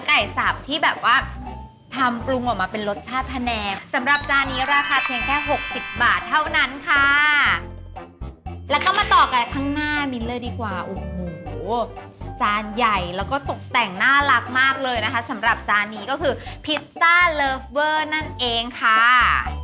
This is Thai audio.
ก็ตกแต่งน่ารักมากเลยนะคะสำหรับจานนี้ก็คือพิซซ่าเลิฟเวอร์นั่นเองค่ะ